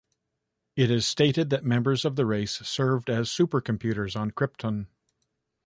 It is stated that members of the race served as supercomputers on Krypton.